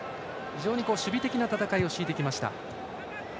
非常に守備的な布陣を敷いてきました。